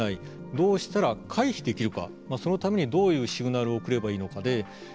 どうしたら回避できるかそのためにどういうシグナルを送ればいいのか。